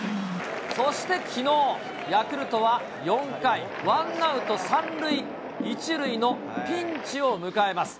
そしてきのう、ヤクルトは４回、ワンアウト３塁１塁のピンチを迎えます。